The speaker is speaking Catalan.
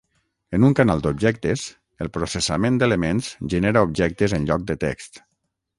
En un canal d'objectes, el processament d'elements genera objectes en lloc de text.